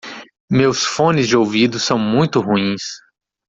Meus fones de ouvido são muito ruins.